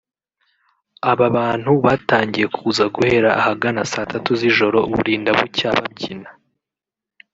Aba bantu batangiye kuza guhera ahagana saa tatu z’ijoro burinda bucya babyina